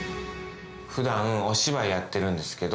普段お芝居やってるんですけど。